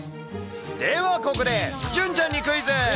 ではここで隼ちゃんにクイズ。